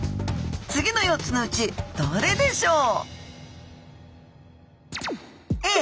次の４つのうちどれでしょう？